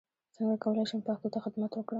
څنګه کولای شم پښتو ته خدمت وکړم